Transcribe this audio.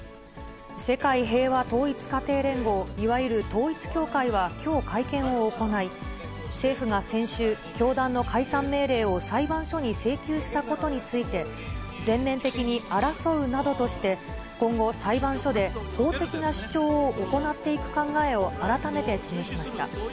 世界平和統一家庭連合、いわゆる統一教会は、きょう会見を行い、政府が先週、教団の解散命令を裁判所に請求したことについて、全面的に争うなどとして、今後、裁判所で法的な主張を行っていく考えを改めて示しました。